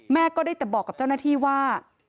ก็ได้แต่บอกกับเจ้าหน้าที่ว่า